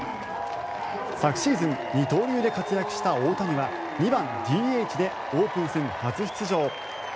昨シーズン二刀流で活躍した大谷は２番ＤＨでオープン戦初出場。